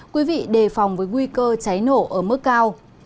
quý vị đề phòng với nguy cơ cháy nổ ở mức cao